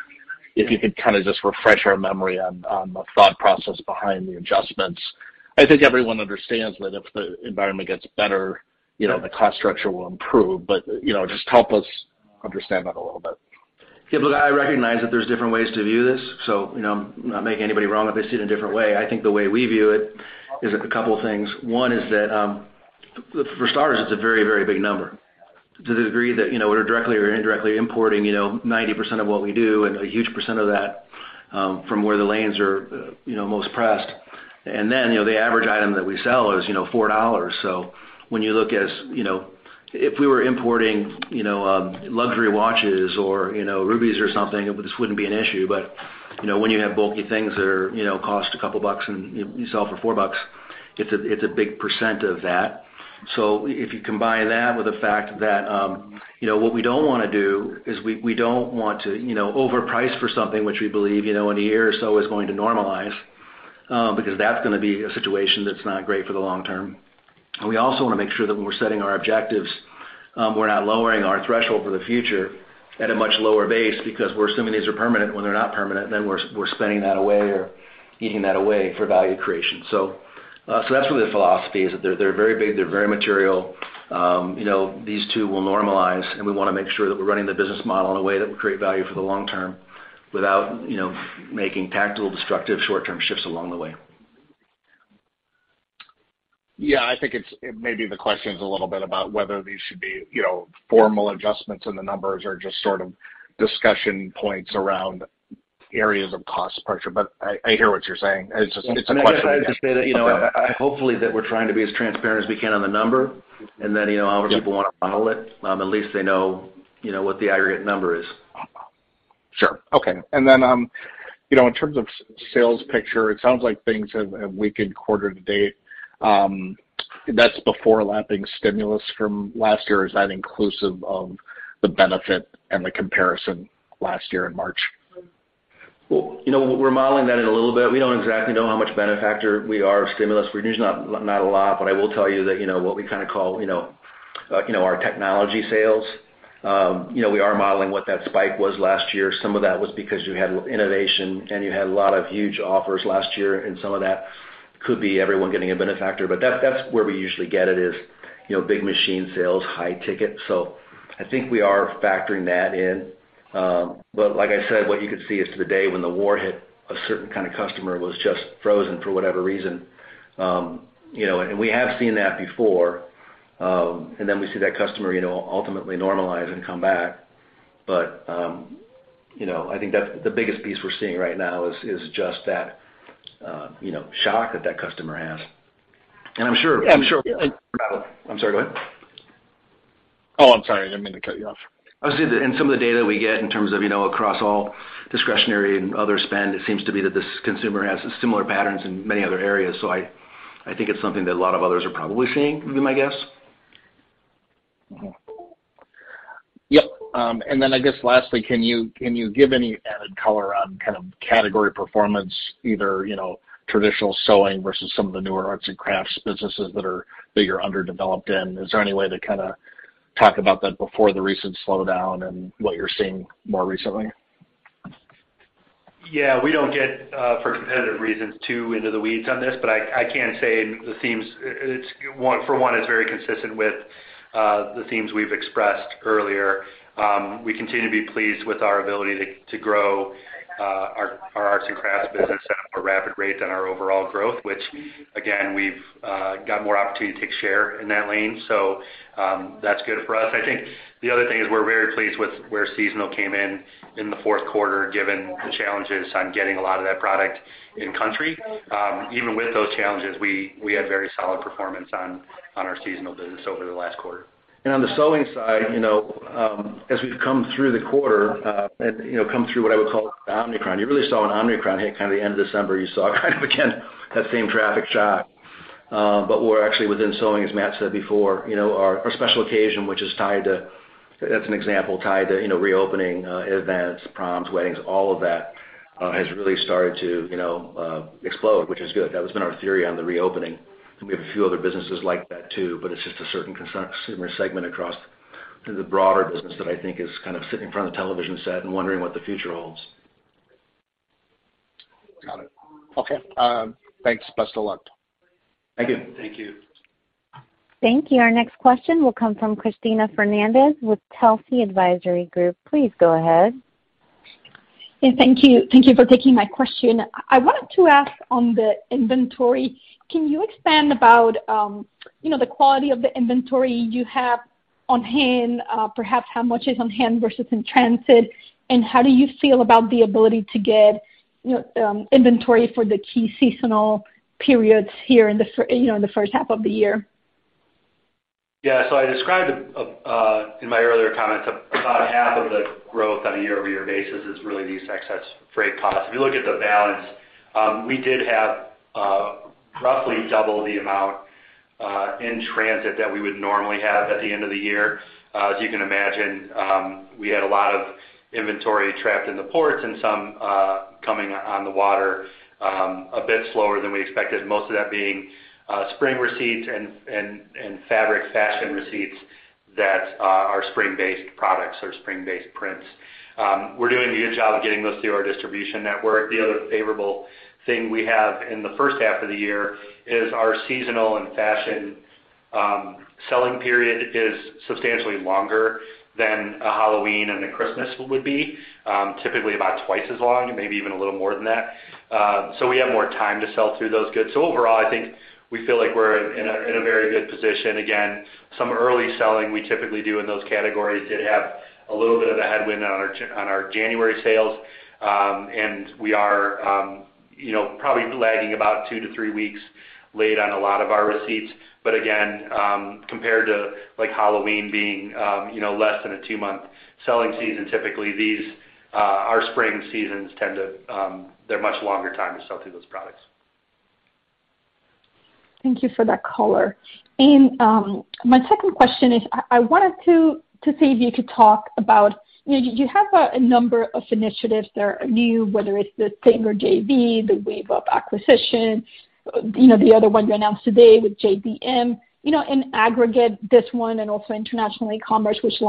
If you could kind of just refresh our memory on the thought process behind the adjustments. I think everyone understands that if the environment gets better, you know, the cost structure will improve. You know, just help us understand that a little bit. Yeah. Look, I recognize that there's different ways to view this, so you know, I'm not making anybody wrong if they see it a different way. I think the way we view it is a couple things. One is that, for starters, it's a very, very big number to the degree that, you know, we're directly or indirectly importing, you know, 90% of what we do and a huge percent of that, from where the lanes are, you know, most pressed. Then, you know, the average item that we sell is, you know, $4. When you look at, you know, if we were importing, you know, luxury watches or, you know, rubies or something, this wouldn't be an issue. You know, when you have bulky things that are, you know, cost a couple bucks and you sell it for four bucks, it's a big percent of that. If you combine that with the fact that, you know, what we don't wanna do is we don't want to, you know, overprice for something which we believe, you know, in a year or so is going to normalize, because that's gonna be a situation that's not great for the long term. We also wanna make sure that when we're setting our objectives, we're not lowering our threshold for the future at a much lower base because we're assuming these are permanent when they're not permanent, then we're spending that away or eating that away for value creation. That's what the philosophy is, that they're very big, they're very material. You know, these two will normalize, and we wanna make sure that we're running the business model in a way that will create value for the long term without, you know, making tactical destructive short-term shifts along the way. Yeah. I think it's maybe the question's a little bit about whether these should be, you know, formal adjustments in the numbers or just sort of discussion points around areas of cost pressure. I hear what you're saying. It's a question. I guess I'd just say that, you know. Okay Hopefully, that we're trying to be as transparent as we can on the number. Then, you know, however people wanna model it, at least they know, you know, what the aggregate number is. Sure. Okay. Then, you know, in terms of sales picture, it sounds like things have weakened quarter to date. That's before lapping stimulus from last year. Is that inclusive of the benefit and the comparison last year in March? Well, you know, we're modeling that in a little bit. We don't exactly know how much beneficiary we are of stimulus. We're usually not a lot. But I will tell you that, you know, what we kinda call, you know, our technology sales, we are modeling what that spike was last year. Some of that was because you had innovation, and you had a lot of huge offers last year, and some of that could be everyone getting a beneficiary. But that's where we usually get it is, you know, big machine sales, high ticket. I think we are factoring that in. But like I said, what you could see is to the day when the war hit, a certain kind of customer was just frozen for whatever reason. You know, we have seen that before. We see that customer, you know, ultimately normalize and come back. I think that's the biggest piece we're seeing right now is just that, you know, shock that that customer has. I'm sure. Yeah. I'm sorry, go ahead. Oh, I'm sorry. I didn't mean to cut you off. I was gonna say that in some of the data we get in terms of, you know, across all discretionary and other spend, it seems to be that this consumer has similar patterns in many other areas. I think it's something that a lot of others are probably seeing, would be my guess. Mm-hmm. Yep. I guess lastly, can you give any added color on kind of category performance, either you know, traditional sewing versus some of the newer arts and crafts businesses that you're underdeveloped in? Is there any way to kinda talk about that before the recent slowdown and what you're seeing more recently? Yeah. We don't get, for competitive reasons too into the weeds on this, but I can say the themes. It's for one, it's very consistent with the themes we've expressed earlier. We continue to be pleased with our ability to grow our arts and crafts business at a more rapid rate than our overall growth, which again, we've got more opportunity to take share in that lane. That's good for us. I think the other thing is we're very pleased with where seasonal came in in the fourth quarter, given the challenges on getting a lot of that product in country. Even with those challenges, we had very solid performance on our seasonal business over the last quarter. On the sewing side, you know, as we've come through the quarter, and, you know, come through what I would call the Omicron, you really saw an Omicron hit kinda the end of December. You saw kind of again that same traffic shock. But we're actually within sewing, as Matt said before, you know, our special occasion, which is tied to, as an example, you know, reopening, events, proms, weddings, all of that, has really started to, you know, explode, which is good. That has been our theory on the reopening. We have a few other businesses like that too, but it's just a certain consumer segment across through the broader business that I think is kind of sitting in front of the television set and wondering what the future holds. Got it. Okay. Thanks. Best of luck. Thank you. Thank you. Thank you. Our next question will come from Cristina Fernández with Telsey Advisory Group. Please go ahead. Yeah, thank you. Thank you for taking my question. I wanted to ask on the inventory, can you expand about, you know, the quality of the inventory you have on hand, perhaps how much is on hand versus in transit? How do you feel about the ability to get, you know, inventory for the key seasonal periods here in the first half of the year? Yeah. I described in my earlier comments, about half of the growth on a year-over-year basis is really these excess freight costs. If you look at the balance, we did have roughly double the amount in transit that we would normally have at the end of the year. As you can imagine, we had a lot of inventory trapped in the ports and some coming on the water a bit slower than we expected, most of that being spring receipts and fabric fashion receipts that are spring-based products or spring-based prints. We're doing a good job of getting those through our distribution network. The other favorable thing we have in the first half of the year is our seasonal and fashion selling period is substantially longer than a Halloween and a Christmas would be, typically about twice as long and maybe even a little more than that. We have more time to sell through those goods. Overall, I think we feel like we're in a very good position. Again, some early selling we typically do in those categories did have a little bit of a headwind on our January sales. We are, you know, probably lagging about 2-3 weeks late on a lot of our receipts. Again, compared to, like, Halloween being, you know, less than a two-month selling season, typically these, our spring seasons tend to, they're much longer time to sell through those products. Thank you for that color. My second question is, I wanted to see if you could talk about, you know, you have a number of initiatives that are new, whether it's the Singer JV, the WeaveUp acquisition, you know, the other one you announced today with JDM. You know, in aggregate, this one and also international e-commerce, which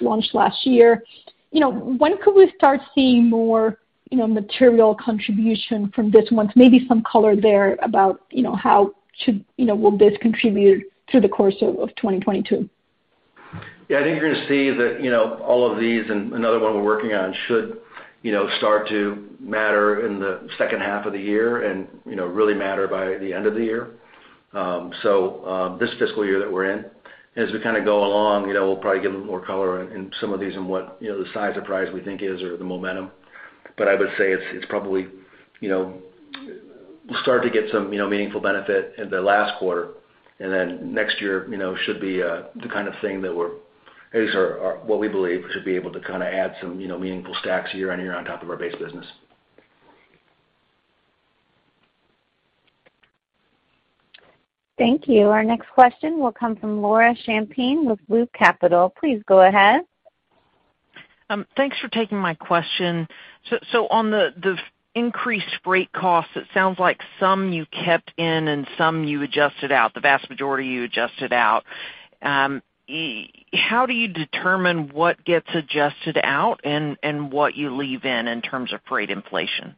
launched last year. You know, when could we start seeing more, you know, material contribution from this one? Maybe some color there about, you know. You know, will this contribute through the course of 2022? Yeah. I think you're gonna see that, you know, all of these and another one we're working on should, you know, start to matter in the second half of the year and, you know, really matter by the end of the year, so, this fiscal year that we're in. As we kinda go along, you know, we'll probably give a little more color in some of these and what, you know, the size or price we think is or the momentum. I would say it's probably, you know. We'll start to get some, you know, meaningful benefit in the last quarter. Then next year, you know, should be the kind of thing that at least what we believe should be able to kinda add some, you know, meaningful stacks year on year on top of our base business. Thank you. Our next question will come from Laura Champine with Loop Capital. Please go ahead. Thanks for taking my question. On the increased freight costs, it sounds like some you kept in and some you adjusted out, the vast majority you adjusted out. How do you determine what gets adjusted out and what you leave in terms of freight inflation?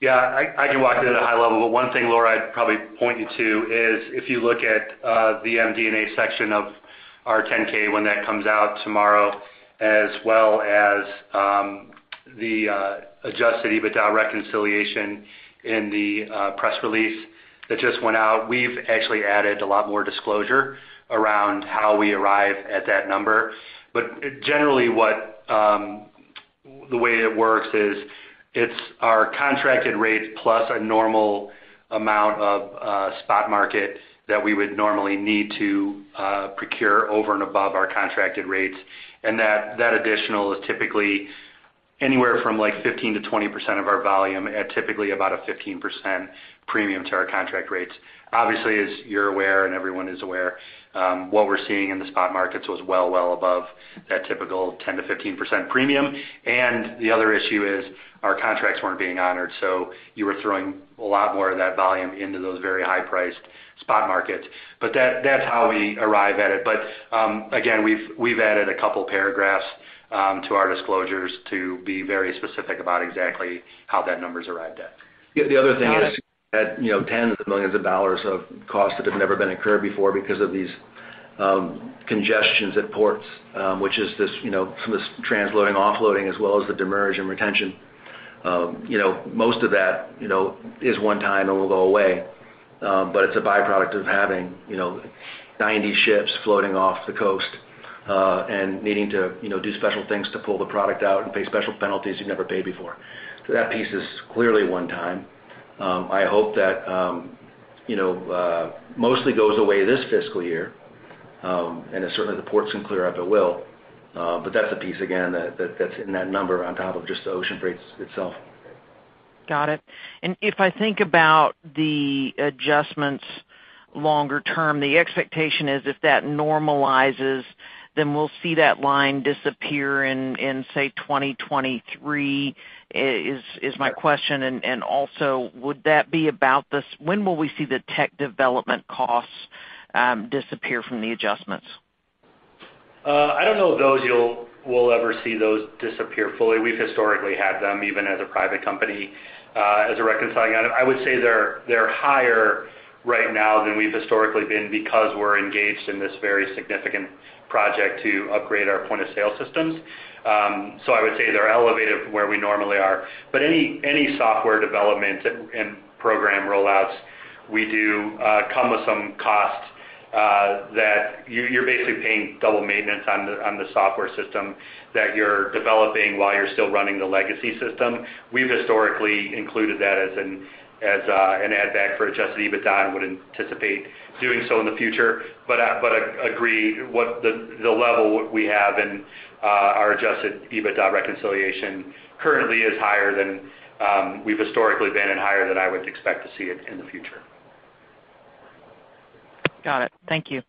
Yeah. I can walk through it at a high level. One thing, Laura, I'd probably point you to is if you look at the MD&A section of our 10-K when that comes out tomorrow, as well as the adjusted EBITDA reconciliation in the press release that just went out, we've actually added a lot more disclosure around how we arrive at that number. Generally, what the way it works is it's our contracted rate plus a normal amount of spot market that we would normally need to procure over and above our contracted rates. That additional is typically anywhere from, like, 15%-20% of our volume at typically about a 15% premium to our contract rates. Obviously, as you're aware and everyone is aware, what we're seeing in the spot markets was well above that typical 10%-15% premium. The other issue is our contracts weren't being honored, so you were throwing a lot more of that volume into those very high-priced spot markets. That's how we arrive at it. Again, we've added a couple paragraphs to our disclosures to be very specific about exactly how that number's arrived at. Got it. The other thing is, you know, tens of millions of dollars of costs that have never been incurred before because of these congestions at ports, which is this, you know, from this transloading, offloading, as well as the demurrage and detention. You know, most of that, you know, is one time and will go away. It's a byproduct of having, you know, 90 ships floating off the coast and needing to, you know, do special things to pull the product out and pay special penalties you never paid before. That piece is clearly one time. I hope that, you know, mostly goes away this fiscal year, and, certainly, as the ports can clear up, it will. That's a piece again that's in that number on top of just the ocean rates itself. Got it. If I think about the adjustments longer term, the expectation is if that normalizes, then we'll see that line disappear in, say, 2023, is my question. Also would that be about this. When will we see the tech development costs disappear from the adjustments? I don't know if we'll ever see those disappear fully. We've historically had them even as a private company, as a reconciling item. I would say they're higher right now than we've historically been because we're engaged in this very significant project to upgrade our point-of-sale systems. I would say they're elevated from where we normally are. Any software development and program rollouts We do come with some cost that you're basically paying double maintenance on the software system that you're developing while you're still running the legacy system. We've historically included that as an add back for adjusted EBITDA and would anticipate doing so in the future. I agree with the level we have in our adjusted EBITDA reconciliation currently is higher than we've historically been and higher than I would expect to see it in the future. Got it. Thank you.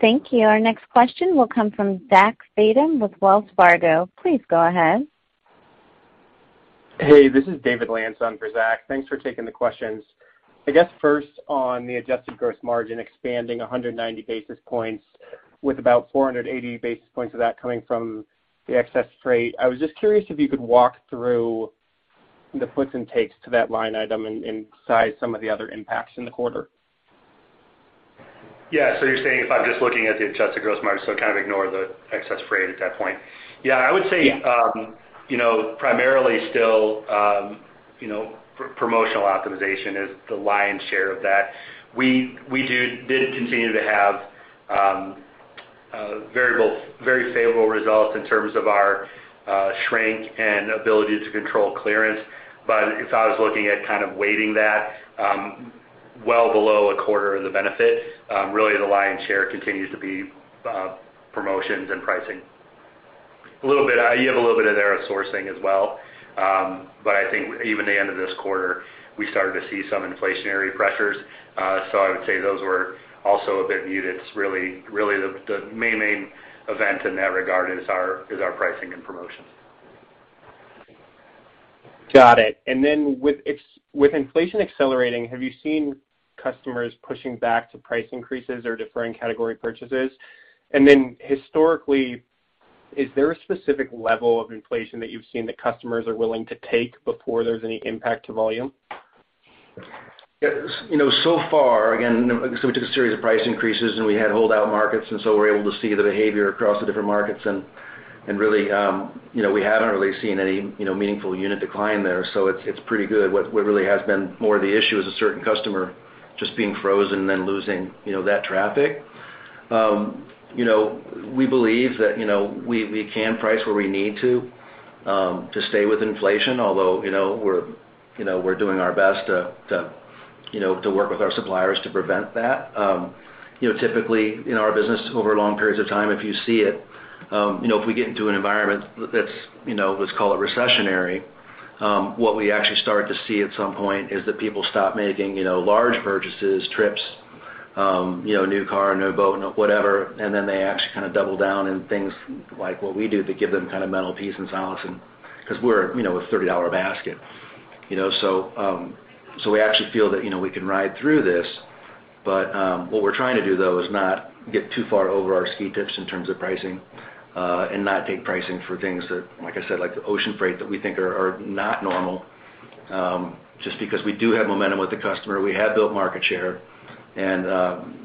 Thank you. Our next question will come from Zach Fadem with Wells Fargo. Please go ahead. Hey, this is David Lantz for Zach Fadem. Thanks for taking the questions. I guess first on the adjusted gross margin expanding 190 basis points with about 480 basis points of that coming from the excess freight. I was just curious if you could walk through the puts and takes to that line item inside some of the other impacts in the quarter. Yeah. You're saying if I'm just looking at the adjusted gross margin, so kind of ignore the excess freight at that point. Yeah, I would say. Yeah. You know, primarily still, you know, promotional optimization is the lion's share of that. We did continue to have very favorable results in terms of our shrink and ability to control clearance. If I was looking at kind of weighting that, well below a quarter of the benefit, really the lion's share continues to be promotions and pricing. You have a little bit in there of sourcing as well. I think even the end of this quarter, we started to see some inflationary pressures. I would say those were also a bit muted. Really, the main event in that regard is our pricing and promotions. Got it. With inflation accelerating, have you seen customers pushing back to price increases or differing category purchases? Historically, is there a specific level of inflation that you've seen that customers are willing to take before there's any impact to volume? Yes. You know, so far, again, so we took a series of price increases, and we had holdout markets, and so we're able to see the behavior across the different markets. Really, you know, we haven't really seen any, you know, meaningful unit decline there, so it's pretty good. What really has been more the issue is a certain customer just being frozen, then losing, you know, that traffic. You know, we believe that, you know, we can price where we need to stay with inflation. Although, you know, we're doing our best to work with our suppliers to prevent that. You know, typically in our business over long periods of time, if you see it, you know, if we get into an environment that's, you know, let's call it recessionary, what we actually start to see at some point is that people stop making, you know, large purchases, trips, you know, new car, new boat, whatever. They actually kinda double down on things like what we do to give them kind of mental peace and solace and 'cause we're, you know, a $30 basket, you know. We actually feel that, you know, we can ride through this. What we're trying to do though is not get too far over our ski tips in terms of pricing, and not take pricing for things that, like I said, like the ocean freight that we think are not normal, just because we do have momentum with the customer. We have built market share and,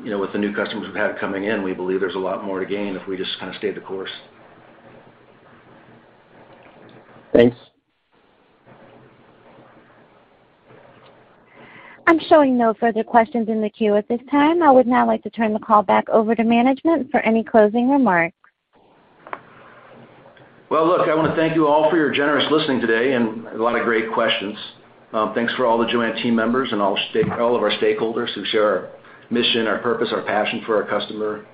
you know, with the new customers we've had coming in, we believe there's a lot more to gain if we just kinda stay the course. Thanks. I'm showing no further questions in the queue at this time. I would now like to turn the call back over to management for any closing remarks. Well, look, I wanna thank you all for your generous listening today and a lot of great questions. Thanks for all the JOANN team members and all of our stakeholders who share our mission, our purpose, our passion for our customer.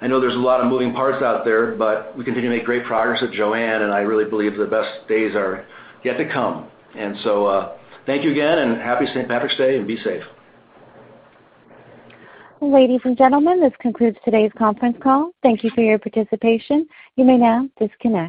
I know there's a lot of moving parts out there, but we continue to make great progress at JOANN, and I really believe the best days are yet to come. Thank you again and happy St. Patrick's Day and be safe. Ladies and gentlemen, this concludes today's conference call. Thank you for your participation. You may now disconnect.